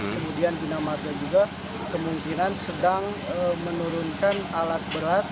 kemudian bina marga juga kemungkinan sedang menurunkan alat berat